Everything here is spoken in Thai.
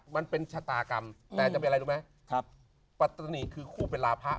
มันเป็นชะตากรรมแต่จะเป็นอะไรรู้ไหมปัตตานีคือคู่เป็นลาพะ